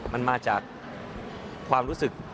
มันมาจากความรู้สึก